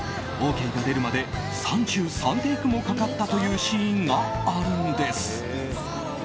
ＯＫが出るまで３３テイクもかかったというシーンがあるんです。